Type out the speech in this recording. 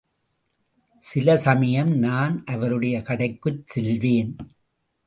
சில சமயம் நான் அவருடைய கடைக்குச் செல்வேன்.